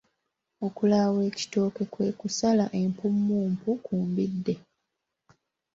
Okulaawa ekitooke kwe kusala empummumpu ku mbidde.